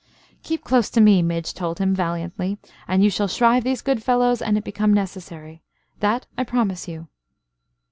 "Keep close to me," Midge told him, valiantly, "and you shall shrive these good fellows an it become necessary. That I promise you."